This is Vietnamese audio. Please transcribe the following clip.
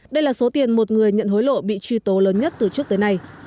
đây là số tiền một người nhận hối lộ bị truy tố lớn nhất từ trước tới nay